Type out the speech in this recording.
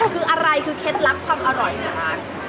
คืออะไรคือเคล็ดลับความอร่อยในร้าน